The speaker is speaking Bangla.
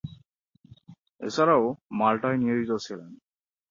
এছাড়াও, মাল্টায় নিয়োজিত ছিলেন।